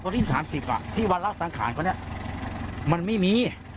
ตอนที่๓๐ที่วันละสังขารเขาเนี่ยมันไม่มี